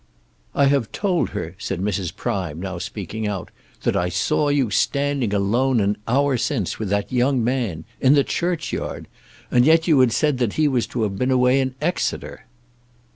"I have told her," said Mrs. Prime, now speaking out, "that I saw you standing alone an hour since with that young man, in the churchyard. And yet you had said that he was to have been away in Exeter!"